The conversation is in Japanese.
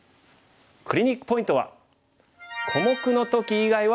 クリニックポイントは。